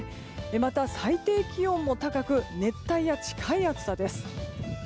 また、最低気温も高く熱帯夜近い暑さです。